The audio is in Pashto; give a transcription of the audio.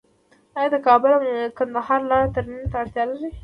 آیا د کابل او کندهار لاره ترمیم ته اړتیا لري؟